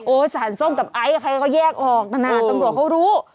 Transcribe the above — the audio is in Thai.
สารส้มกับไอซ์ใครก็แยกออกขนาดตำรวจเขารู้